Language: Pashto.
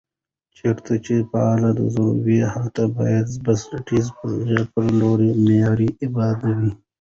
چېرته چې فعال درز وي، هلته باید بنسټيزې پروژي په لوړ معیار آبادې شي